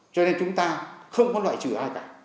cho nên chúng ta không có loại trừ ai cả